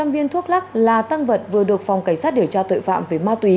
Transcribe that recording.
một sáu trăm linh viên thuốc lắc là tăng vật vừa được phòng cảnh sát điều tra tội phạm về ma túy